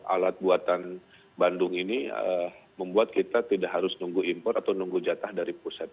alat buatan bandung ini membuat kita tidak harus nunggu impor atau nunggu jatah dari pusat